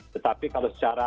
tetapi kalau secara